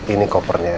ini kopernya elsa